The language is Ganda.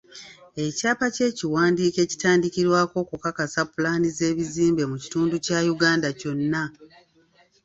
Ekyapa kye kiwandiiko ekitandikirwako okukakasa pulaani z'ebizimbe mu kitundu kya Uganda kyonna.